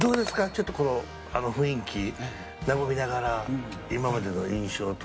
ちょっとこの雰囲気和みながら今までの印象とか。